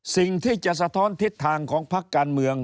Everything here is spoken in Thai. สิ่งที่จะสะท้อนทิศทางของพักการเมือง